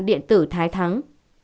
điện tử thái thắng